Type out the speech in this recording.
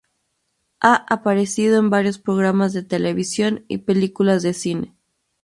Ha aparecido en varios programas de televisión y películas de cine.